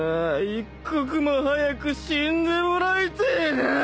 一刻も早く死んでもらいてえなぁあ！